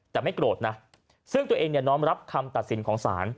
แต่ไม่โกรธนะซึ่งตัวเองเนี่ยน้อมรับคำตัดสินของศาล